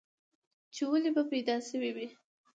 چې ولې به پيدا شوی وې؟